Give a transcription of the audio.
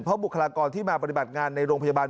เพราะบุคลากรที่มาปฏิบัติงานในโรงพยาบาล